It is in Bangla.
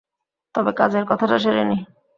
তবে কাজের কথাটা সেরে নিই।